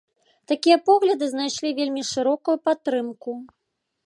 Такія погляды знайшлі вельмі шырокую падтрымку.